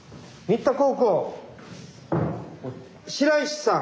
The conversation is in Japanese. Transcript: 白石さん！